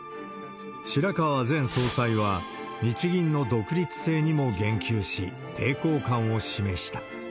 白川前総裁は、日銀の独立性にも言及し、抵抗感を示した。